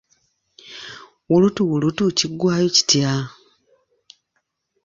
Wulutuwulutu kiggwayo kitya?